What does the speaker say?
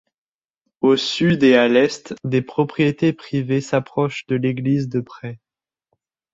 Au sud et à l'est, des propriétés privées s'approchent de l'église de près.